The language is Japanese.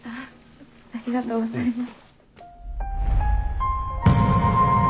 ありがとうございます。